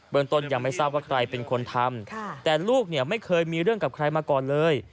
ต้นยังไม่ทราบว่าใครเป็นคนทำแต่ลูกเนี่ยไม่เคยมีเรื่องกับใครมาก่อนเลย